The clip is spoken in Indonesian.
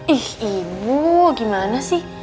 ih ibu gimana sih